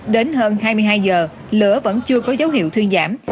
đến hơn hai mươi hai giờ lửa vẫn chưa có dấu hiệu thuyên giảm